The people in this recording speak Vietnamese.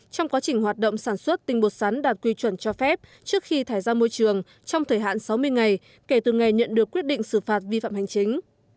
trong quá trình hoạt động sản xuất tinh bột sắn đạt quy chuẩn cho phép trước khi thải ra môi trường trong thời hạn sáu mươi ngày kể từ ngày nhận được quyết định xử phạt vi phạm hành chính